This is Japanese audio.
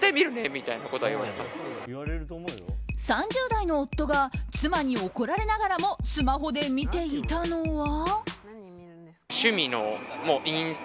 ３０代の夫が妻に怒られながらもスマホで見ていたのは。